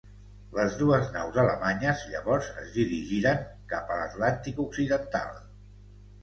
Les dues naus alemanyes, llavors, es dirigiren cap a l'Atlàntic occidental.